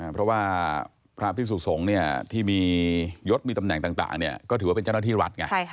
เพราะว่าพระพิสุสงฆ์ที่มียศมีตำแหน่งต่างก็ถือว่าเป็นเจ้าหน้าที่รัฐไง